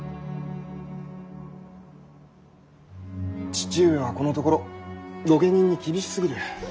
父上はこのところ御家人に厳しすぎる。